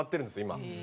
今。